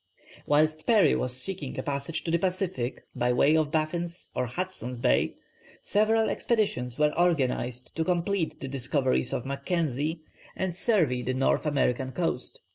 Whilst Parry was seeking a passage to the Pacific, by way of Baffin's or Hudson's Bay, several expeditions were organized to complete the discoveries of Mackenzie, and survey the North American coast.